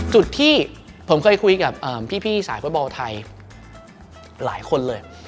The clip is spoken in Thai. จุดที่ผมเคยคุยกับพี่สายฟุตบอลไทยหลายคนเลย